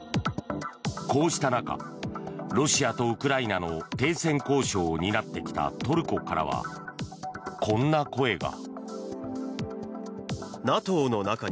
こうした中ロシアとウクライナの停戦交渉を担ってきたトルコからはこんな声が。